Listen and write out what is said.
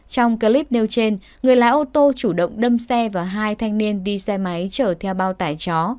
trong clip nêu trên người lái ô tô chủ động đâm xe và hai thanh niên đi xe máy chở theo bao tải chó